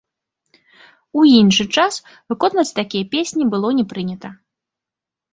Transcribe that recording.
У іншы час выконваць такія песні было не прынята.